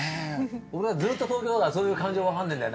俺はずっと東京だからそういう感じ分かんねえんだよ。